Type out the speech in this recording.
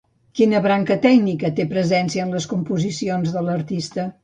Quina branca tècnica té presència en les composicions de l'artista?